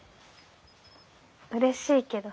うれしいけど。